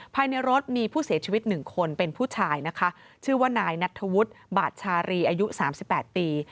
ภายในรถมีผู้เสียชีวิต๑คนเป็นผู้ชายนะคะชื่อว่านายนัทธวุฒิบาทชารีอายุ๓๘ปี